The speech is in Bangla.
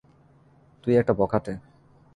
তুই একটা বখাটে!